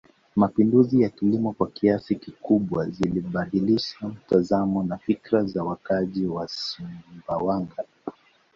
Mapinduzi ya kilimo kwa kiasi kikubwa zilibadilisha mtazamo na fikra za wakazi wa Sumbawanga